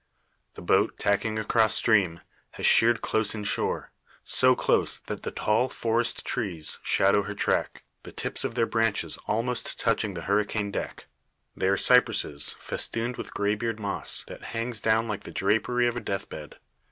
The boat, tacking across stream, has sheered close in shore; so close that the tall forest trees shadow her track the tips of their branches almost touching the hurricane deck. They are cypresses, festooned with grey beard moss, that hangs down like the drapery of a death bed.